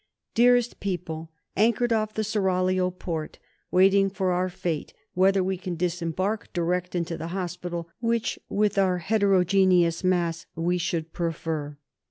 DEAREST PEOPLE Anchored off the Seraglio point, waiting for our fate whether we can disembark direct into the Hospital, which, with our heterogeneous mass, we should prefer.